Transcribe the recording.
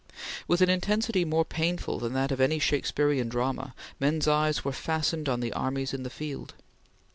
With an intensity more painful than that of any Shakespearean drama, men's eyes were fastened on the armies in the field.